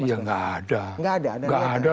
ya gak ada gak ada